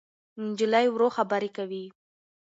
نجلۍ ورو خبرې کوي.